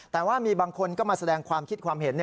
แต่ว่ามีบางคนก็มาแสดงความคิดความเห็น